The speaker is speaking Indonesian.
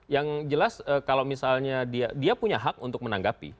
yang jelas kalau misalnya dia punya hak untuk menanggapi